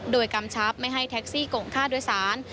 โดยกำชับไม่ให้แท็กซี่กงค่าโดยสาร